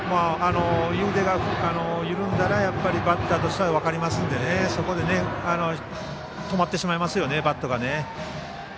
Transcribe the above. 右腕が緩んだらバッターとしては分かりますのでそこで止まってしまいますよねバットがね。